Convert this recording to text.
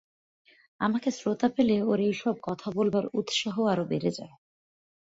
আমাকে শ্রোতা পেলে ওর এই-সব কথা বলবার উৎসাহ আরো বেড়ে যায়।